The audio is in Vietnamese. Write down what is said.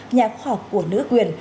nhà khoa học của nữ quyền